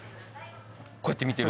こうやって見てるの？